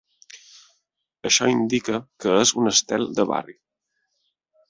Això indica que és un estel de bari.